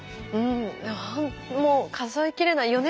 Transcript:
うんもう数え切れない。